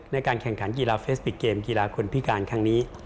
ในการแข่งขันกีฬาเฟสปิกเกมกีฬาคนพิการครั้งนี้